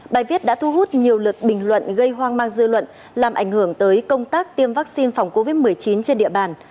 bài viết đã thu hút nhiều lượt bình luận gây hoang mang dư luận làm ảnh hưởng tới công tác tiêm vaccine phòng covid một mươi chín trên địa bàn